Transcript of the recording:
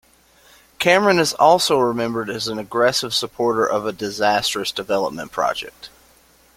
Cameron is also remembered as an aggressive supporter of a disastrous development project.